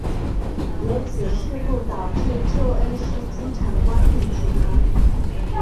此事故导致旧恩施机场关闭停航。